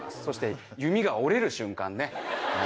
そして弓が折れる瞬間ね。